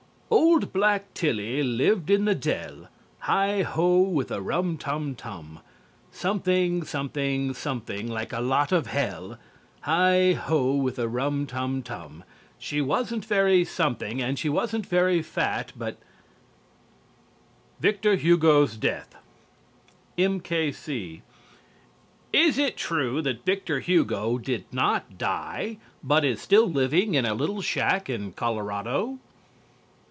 "_Old Black Tillie lived in the dell, Heigh ho with a rum tum tum! Something, something, something like a lot of hell, Heigh ho with a rum tum tum! She wasn't very something and she wasn't very fat But_ " "VICTOR HUGO'S DEATH" M.K.C. Is it true that Victor Hugo did not die but is still living in a little shack in Colorado?